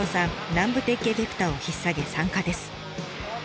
南部鉄器エフェクターをひっ提げ参加です。